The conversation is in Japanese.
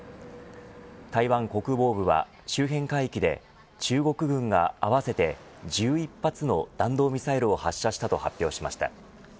台湾国防部は周辺海域で中国軍が合わせて１１発の弾道ミサイルを発射したと発表しました。